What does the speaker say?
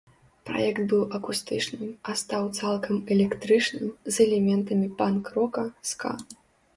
Праект быў акустычным, а стаў цалкам электрычным, з элементамі панк-рока, ска.